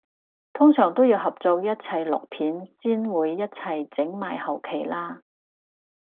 通常都要合作一齊錄片先會一齊整埋後期啦？